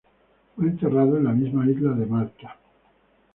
Fue enterrado en la misma isla de Malta.